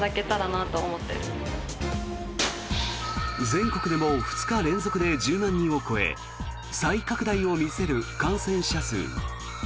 全国でも２日連続で１０万人を超え再拡大を見せる感染者数。